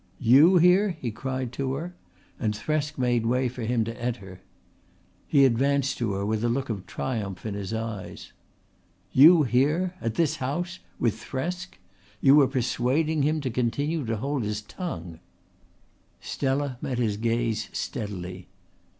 "You here?" he cried to her, and Thresk made way for him to enter. He advanced to her with a look of triumph in his eyes. "You here at this house with Thresk? You were persuading him to continue to hold his tongue." Stella met his gaze steadily.